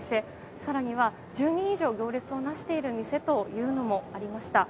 更には、１０人以上行列をなしている店もありました。